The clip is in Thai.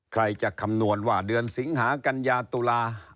ใครจะคำนวณว่าเดือนสิงหากัญญาตุลา